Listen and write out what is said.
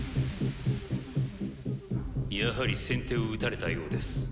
やはり先手を打たれたようです。